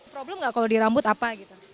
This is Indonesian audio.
problem gak kalau di rambut apa